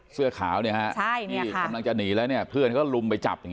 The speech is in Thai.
เสื้อขาวที่กำลังจะหนีก็รุมไว้จับ